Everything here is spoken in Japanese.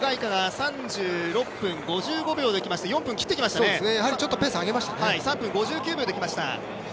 ３分５９秒で来ました。